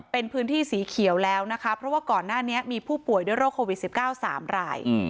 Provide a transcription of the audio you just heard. เป็นพื้นที่สีเขียวแล้วนะคะเพราะว่าก่อนหน้านี้มีผู้ป่วยด้วยโรคโควิด๑๙๓ราย